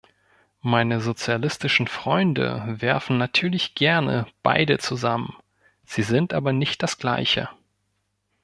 Meine sozialistischen Freunde werfen natürlich gerne beide zusammen, sie sind aber nicht das Gleiche.